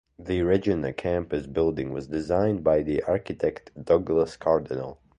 The Regina campus building was designed by the architect Douglas Cardinal.